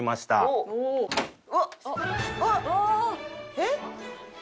えっ？